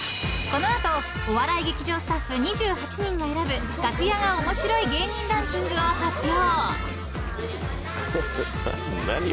［この後お笑い劇場スタッフ２８人が選ぶ楽屋が面白い芸人ランキングを発表］